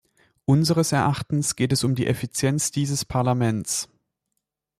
Unseres Erachtens geht es um die Effizienz dieses Parlaments.